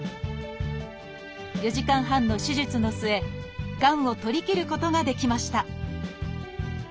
４時間半の手術の末がんを取り切ることができました。